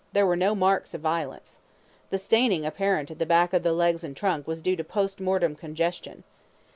There were no marks of violence. The staining apparent at the back of the legs and trunk was due to POST MORTEM congestion.